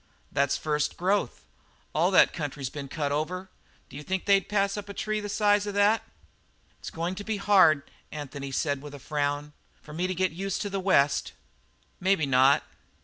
"That's first growth. All that country's been cut over. D'you think they'd pass up a tree the size of that?" "It's going to be hard," said Anthony with a frown, "for me to get used to the West." "Maybe not."